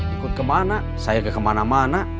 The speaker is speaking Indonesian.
ikut kemana saya ke kemana mana